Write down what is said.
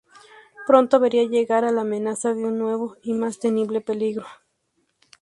Pronto vería llegar al amenaza de un nuevo y más temible peligro.